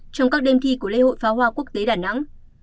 trong các đêm thi của lễ hội phá hoa quốc tế đà nẵng